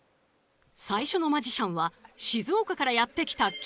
最初のマジシャンは静岡からやって来たＫＩＳＳＥＲ。